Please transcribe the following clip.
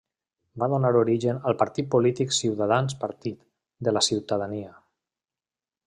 Va donar origen al partit polític Ciutadans-Partit de la Ciutadania.